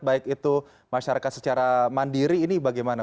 baik itu masyarakat secara mandiri ini bagaimana